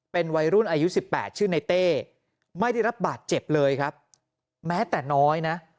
เป็นวัยรุ่นอายุสิบแปดชื่อในเต้ไม่ได้รับบาดเจ็บเลยครับแม้แต่น้อยนะ